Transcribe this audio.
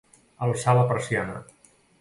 Alçar la persiana.